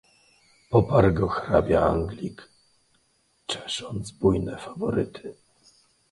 "poparł go hrabia anglik, czesząc bujne faworyty."